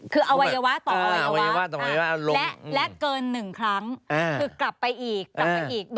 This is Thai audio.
คืออวัยวะต่ออวัยวะและเกิน๑ครั้งคือกลับไปอีกกลับไปอีก